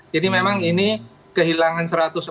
jadi memang ini kehilangan